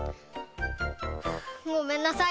ごめんなさい！